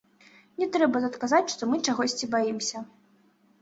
Не трэба тут казаць, што мы чагосьці баімся.